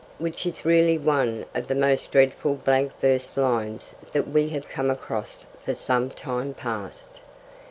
which is really one of the most dreadful blank verse lines that we have come across for some time past.